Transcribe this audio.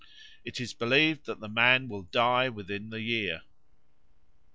It is believed that the man will die within the year.